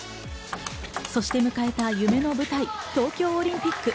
そして迎えた夢の舞台、東京オリンピック。